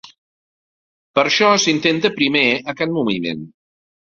Per això s'intenta primer aquest moviment.